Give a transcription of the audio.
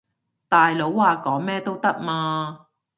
大佬話講咩都得嘛